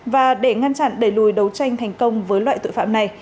và để ngăn chặn đẩy lùi đấu tranh thành công với loại tội phạm này